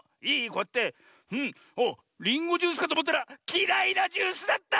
こうやっておっリンゴジュースかとおもったらきらいなジュースだった！